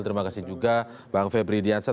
terima kasih juga bang febri diansyah